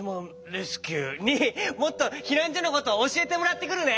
レスキューにもっとひなんじょのことをおしえてもらってくるね！